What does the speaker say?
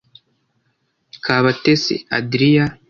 Kabatesi Adria